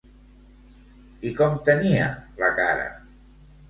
I com tenia la cara?